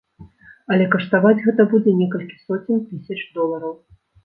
Але каштаваць гэта будзе некалькі соцень тысяч долараў.